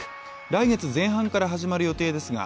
来月前半から始まる予定ですが、